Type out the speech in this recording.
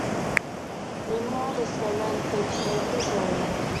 Meanwhile, the snowman sleeps in the refrigerator.